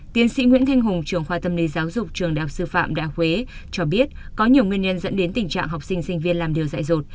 tiến sĩ nguyễn thanh hùng trường khoa tâm lý giáo dục trường đại học sư phạm đại huế cho biết có nhiều nguyên nhân dẫn đến tình trạng học sinh sinh viên làm điều dạy rột